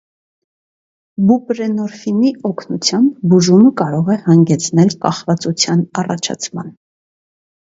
Բուպրենորֆինի օգնությամբ բուժումը կարող է հանգեցնել կախվածության առաջացման։